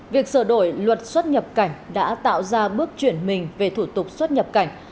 việc sửa đổi luật xuất nhập cảnh đã tạo ra bước chuyển mình về thủ tục xuất nhập cảnh